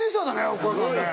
お母さんね